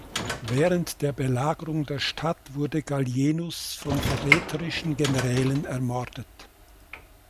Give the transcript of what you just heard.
Während der Belagerung der Stadt wurde Gallienus von verräterischen Generälen ermordet.